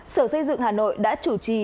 sở xây dựng hà nội đã chủ trì